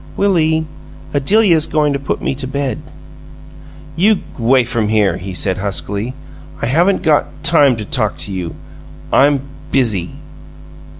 "Willie, Adelia's goin' to put me to bed." "You g'way from here," he said, huskily. "I haven't got time to talk to you. I'm busy."